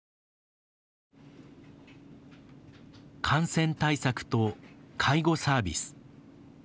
感染対策と介護サービス。